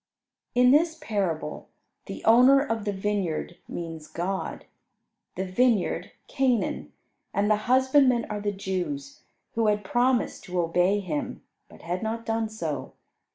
In this parable the owner of the vineyard means God; the vineyard Canaan, and the husbandmen are the Jews, who had promised to obey Him, but had not done so.